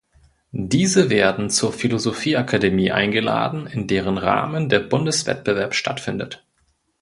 Diese werden zur Philosophie-Akademie eingeladen, in deren Rahmen der Bundeswettbewerb stattfindet.